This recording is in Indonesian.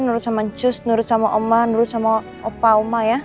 nurut sama cus nurut sama oman nurut sama opa oma ya